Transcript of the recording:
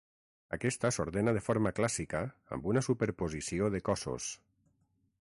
Aquesta s'ordena de forma clàssica amb una superposició de cossos.